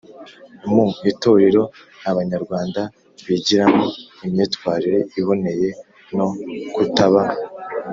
mu itorero, abanyarwanda bigiramo imyitwarire iboneye no kutaba